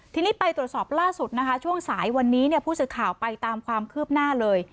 ทีนี้ไปตรวจสอบล่าสุดนะคะช่วงสายวันนี้ผู้สื่อข่าวไปตามความคืบหน้าเลย